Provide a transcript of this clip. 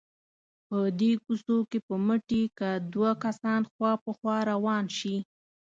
په دې کوڅو کې په مټې که دوه کسان خوا په خوا روان شي.